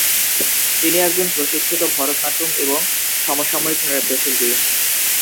তিনি একজন প্রশিক্ষিত ভরতনাট্যম এবং সমসাময়িক নৃত্যশিল্পী।